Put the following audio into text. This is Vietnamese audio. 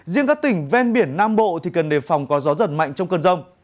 riêng các tỉnh ven biển nam bộ thì cần đề phòng có gió giật mạnh trong cơn rông